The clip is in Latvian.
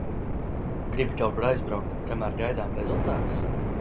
Gribi kaut kur aizbraukt, kamēr gaidām rezultātus?